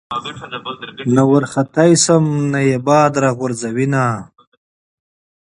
نه ورختی شم نه ئې باد را غورځوېنه